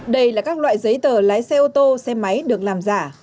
đây là các loại giấy tờ lái xe ô tô xe máy được làm giả